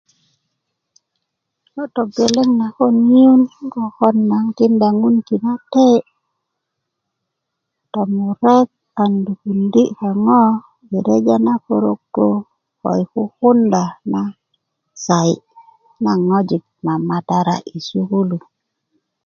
ŋo togeleŋ na kon ŋiyun 'n kokon na 'n tinda ŋun tinate tomurek an lupundi kaŋo i reja na porogo ko kukunda na sayi naŋ ŋojik mamatara i sukulu